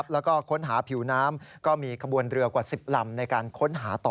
แล้วก็ค้นหาผิวน้ำก็มีขบวนเรือกว่า๑๐ลำในการค้นหาต่อ